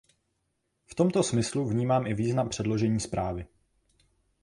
V tomto smyslu vnímám i význam předložení zprávy.